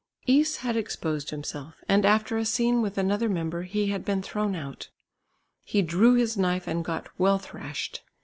Is had exposed himself, and after a scene with another member, he had been thrown out. He drew his knife and got well thrashed.